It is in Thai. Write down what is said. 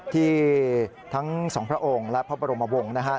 ที่ทั้งสองพระองค์และพระบรมวงศ์นะครับ